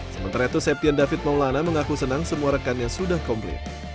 sementara itu septian david maulana mengaku senang semua rekannya sudah komplit